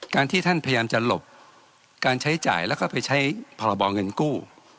การที่ท่านพยายามจะหลบการใช้จ่ายแล้วก็ไปใช้พรบเงินกู้